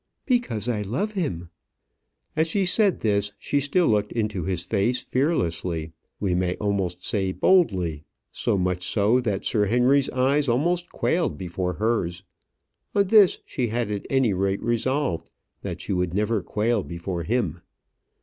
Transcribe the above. "Because I love him." As she said this she still looked into his face fearlessly we may almost say boldly; so much so that Sir Henry's eyes almost quailed before hers. On this she had at any rate resolved, that she would never quail before him.